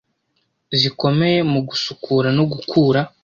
zikomeye mu gusukura no gukura